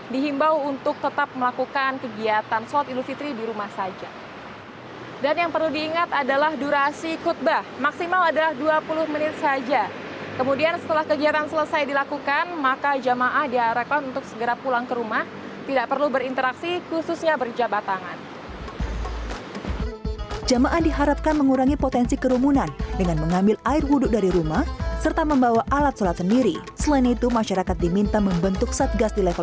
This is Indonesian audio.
di jamaah yang sedang sakit dan juga jamaah yang baru saja datang dari perjalanan jauh